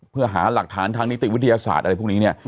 เพื่อหาหลักฐานทางนิติวิทยาศาสตร์อะไรพวกนี้เนี่ย